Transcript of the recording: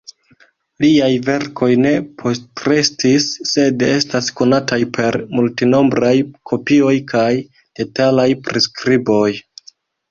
Liaj verkoj ne postrestis, sed estas konataj per multenombraj kopioj kaj detalaj priskriboj.